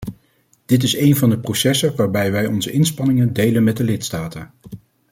Dit is een van de processen waarbij wij onze inspanningen delen met de lidstaten.